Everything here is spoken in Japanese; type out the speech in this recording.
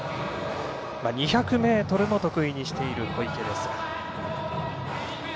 ２００ｍも得意にしている小池です。